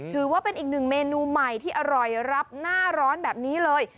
ถือว่าเป็นอีกหนึ่งเมนูใหม่ที่อร่อยรับหน้าร้อนแบบนี้เลย